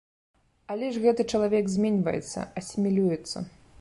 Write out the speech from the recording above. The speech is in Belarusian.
Але ж гэты чалавек зменьваецца, асімілюецца.